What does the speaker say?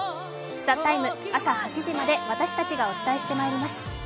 「ＴＨＥＴＩＭＥ，」、朝８時まで私たちがお伝えしてまいります。